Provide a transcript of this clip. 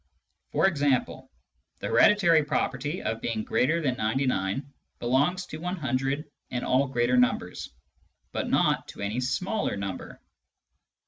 For example, the hereditary property of being greater than 99 belongs to 100 and all greater numbers, but not to any smaller number.